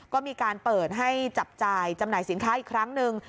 ก็มีการเปิดให้จับจ่ายจำหน่ายสินค้าอีกครั้งหนึ่ง